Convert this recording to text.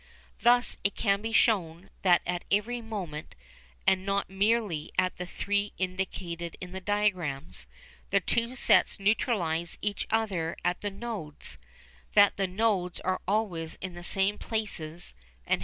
Thus it can be shown that at every moment, and not merely at the three indicated in the diagrams, the two sets neutralise each other at the nodes, that the nodes are always in the same places and half a wave length apart.